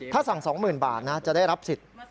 ถ้าสั่ง๒๐๐๐บาทนะจะได้รับสิทธิ์